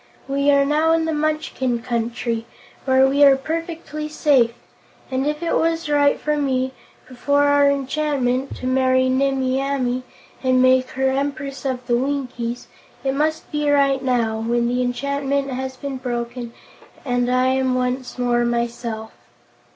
We are now in the Munchkin Country, where we are perfectly safe, and if it was right for me, before our enchantment, to marry Nimmie Amee and make her Empress of the Winkies, it must be right now, when the enchantment has been broken and I am once more myself.